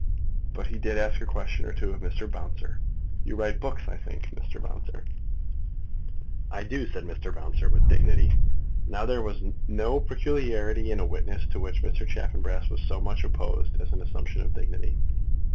But he did ask a question or two of Mr. Bouncer. "You write books, I think, Mr. Bouncer?" "I do," said Mr. Bouncer, with dignity. Now there was no peculiarity in a witness to which Mr. Chaffanbrass was so much opposed as an assumption of dignity.